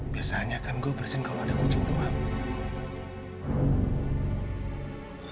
biasanya kan gue bersin kalau ada kucing doang